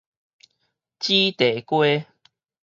紫地瓜